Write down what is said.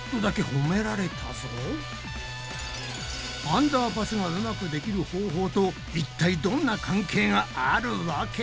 アンダーパスがうまくできる方法といったいどんな関係があるわけ？